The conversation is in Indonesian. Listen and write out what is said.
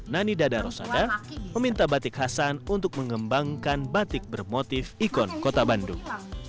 nani dada rosada meminta batik khasan untuk mengembangkan batik bermotif ikon kota bandung